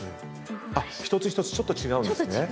一つ一つちょっと違うんですね。